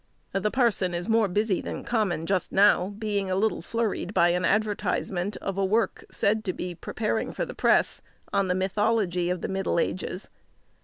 The parson is more busy than common just now, being a little flurried by an advertisement of a work, said to be preparing for the press, on the mythology of the middle ages.